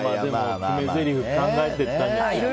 決めぜりふ考えていったんじゃない？